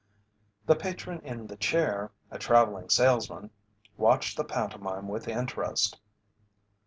The patron in the chair, a travelling salesman, watched the pantomime with interest.